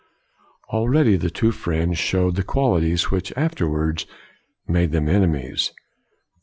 Already the two friends showed the qualities which afterwards made them enemies.